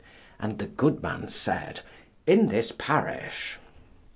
And the good man said, "In this parish."